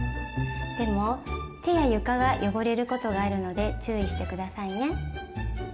でも手や床が汚れることがあるので注意して下さいね。